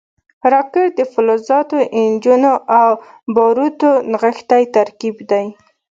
راکټ د فلزاتو، انجنونو او بارودو نغښتی ترکیب دی